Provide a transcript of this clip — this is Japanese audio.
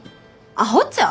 アホちゃう？